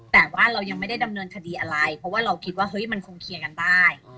แต่ว่าเรายังไม่ได้ดำเนินคดีอะไรเพราะว่าเราคิดว่าเฮ้ยมันคงเคลียร์กันได้